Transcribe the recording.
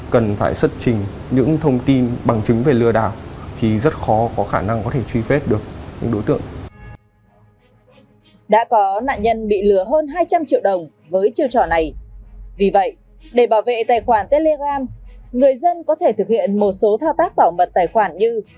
vì vậy để bảo vệ tài khoản telegram người dân có thể thực hiện một số thao tác bảo mật tài khoản như